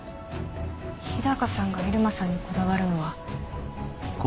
日高さんが入間さんにこだわるのは。